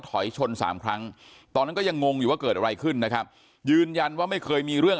ถอยชนสามครั้งตอนนั้นก็ยังงงอยู่ว่าเกิดอะไรขึ้นนะครับยืนยันว่าไม่เคยมีเรื่อง